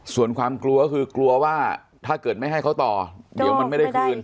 ส่วนความกลัวก็คือกลัวว่าถ้าเกิดไม่ให้เขาต่อเดี๋ยวมันไม่ได้คืน